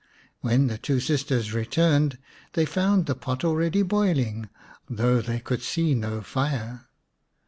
When the two sisters returned they found the pot already boiling, though they could see no fire.